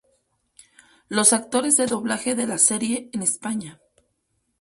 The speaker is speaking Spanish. Los actores de doblaje de la serie en España.